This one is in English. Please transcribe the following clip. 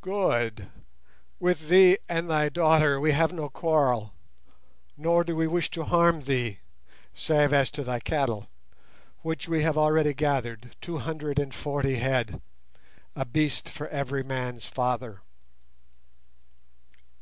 "Good! With thee and thy daughter we have no quarrel, nor do we wish to harm thee, save as to thy cattle, which we have already gathered, two hundred and forty head—a beast for every man's father."